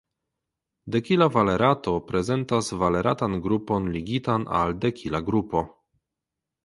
Dekila valerato prezentas valeratan grupon ligitan al dekila grupo.